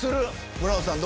村野さん